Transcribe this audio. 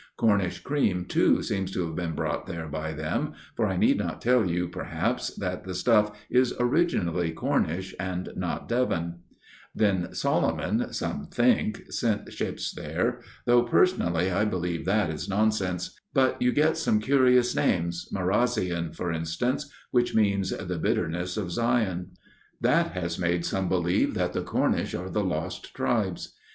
Cornish cream too seems to have been brought there by them for I need not tell you perhaps that the stuff is originally Cornish and not Devon . Then Solomon , 56 A MIRROR OF SHALOTT some think, sent ships there though personally I believe that is nonsense ; but you get some curious names Marazion, for instance, which means the bitterness of Zion. That has made some believe that the Cornish are the lost tribes.